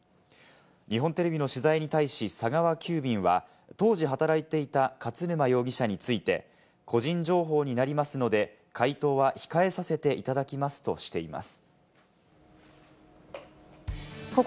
日本テレビの取材に対し、佐川急便は当時働いていた勝沼容疑者について、個人情報になりますので、回答は控えさせていただきますとしています。